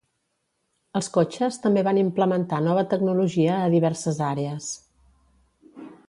Els cotxes també van implementar nova tecnologia a diverses àrees.